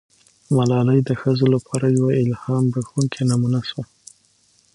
ملالۍ د ښځو لپاره یوه الهام بښونکې نمونه سوه.